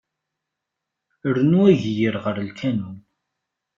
Rnu ageyyir ɣer lkanun.